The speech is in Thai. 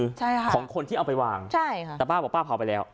ใช่ค่ะของคนที่เอาไปวางใช่ค่ะแต่ป้าบอกป้าเผาไปแล้ว